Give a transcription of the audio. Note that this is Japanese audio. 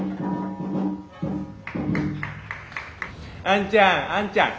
「あんちゃんあんちゃん」